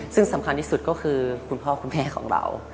ซึ่งสำคัญที่สุดก็คือคุณพ่อคุณแม่ของเรา